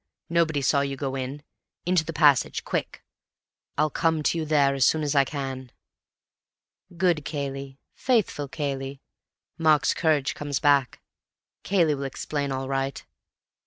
Nobody saw you go in. Into the passage, quick. I'll come to you there as soon as I can.' "Good Cayley. Faithful Cayley! Mark's courage comes back. Cayley will explain all right.